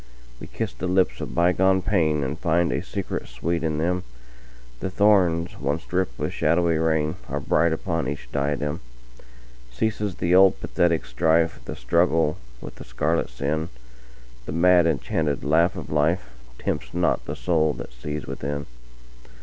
We kiss the lips of bygone painAnd find a secret sweet in them:The thorns once dripped with shadowy rainAre bright upon each diadem. Ceases the old pathetic strife, The struggle with the scarlet sin:The mad enchanted laugh of lifeTempts not the soul that sees within.